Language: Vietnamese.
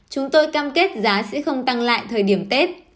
chúng tôi cam kết giá sẽ không tăng lại thời điểm tết